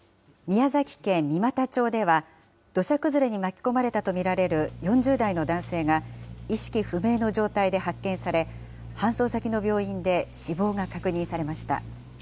宮崎県三股町では、土砂崩れに巻き込まれたと見られる４０代の男性が、意識不明の状態で発見され、搬送先の病院で死亡が確認されました。